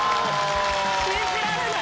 信じられない。